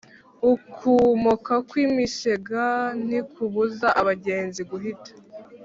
Ukumoka kw’imisega ntikubuza abagenzi guhita.